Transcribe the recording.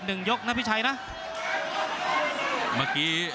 ภูตวรรณสิทธิ์บุญมีน้ำเงิน